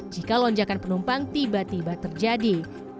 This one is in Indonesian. jika lonjakan penumpang tiba tiba terjadi